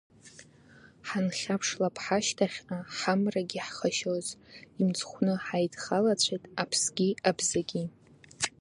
Ҳанхьаԥшлап ҳашьҭахьҟа, ҳамрагьы ҳхашьоз, имцхәны ҳаидхалацәеит аԥсгьы абзагьы…